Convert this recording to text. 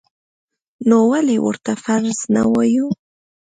نو ولې ورته فرض نه وایو؟